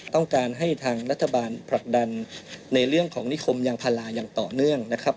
ต้องการให้ทางรัฐบาลผลักดันในเรื่องของนิคมยางพาราอย่างต่อเนื่องนะครับ